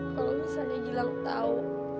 kalau misalnya gilang tau